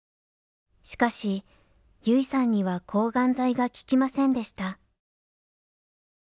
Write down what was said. しかし優生さんには抗がん剤が効きませんでした。